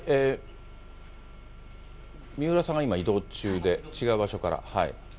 三浦さんが今、移動中で、違う場所から。